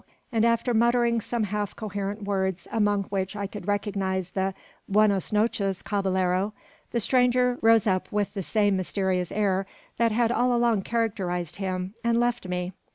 and after muttering some half coherent words, among which I could recognise the "Buenos noches, caballero!" the stranger rose up with the same mysterious air that had all along characterised him, and left me.